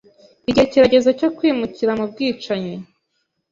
Igihe kirageze cyo kwimukira mubwicanyi.